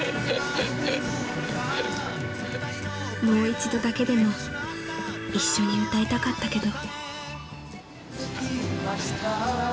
［もう一度だけでも一緒に歌いたかったけど］